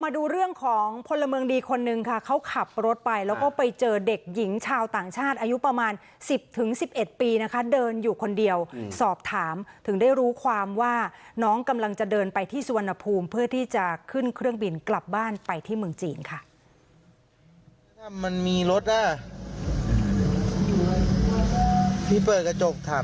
มาดูเรื่องของพลเมืองดีคนนึงค่ะเขาขับรถไปแล้วก็ไปเจอเด็กหญิงชาวต่างชาติอายุประมาณ๑๐๑๑ปีนะคะเดินอยู่คนเดียวสอบถามถึงได้รู้ความว่าน้องกำลังจะเดินไปที่สุวรรณภูมิเพื่อที่จะขึ้นเครื่องบินกลับบ้านไปที่เมืองจีนค่ะ